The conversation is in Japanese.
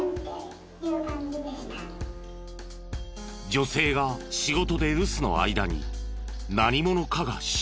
女性が仕事で留守の間に何者かが侵入。